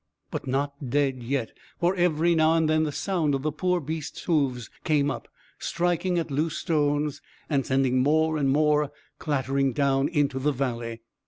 But not dead yet, for every now and then the sound of the poor beast's hoofs came up, striking at loose stones and sending more and more clattering down into the valley.